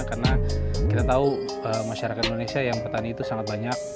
karena kita tahu masyarakat indonesia yang petani itu sangat banyak